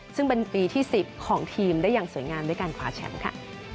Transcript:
ซึ่งเป็นปีที่๑๐ของทีมได้อย่างสวยงามด้วยการคว้าแชมป์ค่ะ